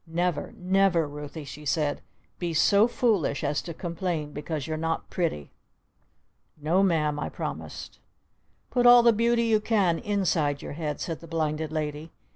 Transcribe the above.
"Never, never, Ruthie," she said, "be so foolish as to complain because you're not pretty!" "No'm!" I promised. "Put all the Beauty you can inside your head!" said the Blinded Lady.